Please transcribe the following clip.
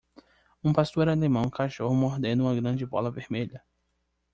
um pastor alemão cachorro mordendo uma grande bola vermelha